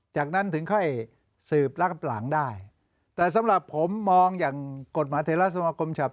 จากนั้นถึงค่อยสืบรับหลังได้แต่สำหรับผมมองอย่างกฎหมายเทราสมาคมฉบับ